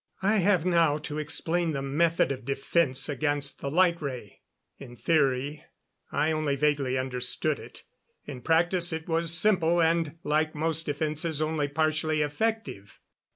I have now to explain the method of defense against the light ray. In theory I only vaguely understood it. In practice it was simple and, like most defenses, only partially effective.